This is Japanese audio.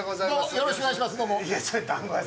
よろしくお願いします、ども。